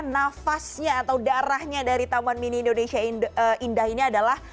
nafasnya atau darahnya dari taman mini indonesia indah ini adalah